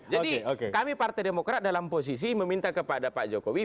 jadi kami partai demokrat dalam posisi meminta kepada pak jokowi